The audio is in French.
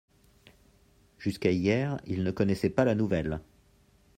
Jusqu’à hier ils ne connaissaient pas la nouvelle.